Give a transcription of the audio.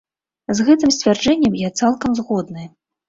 З гэтым сцвярджэннем я цалкам згодны.